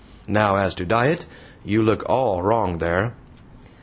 Now as to diet? you look all wrong there.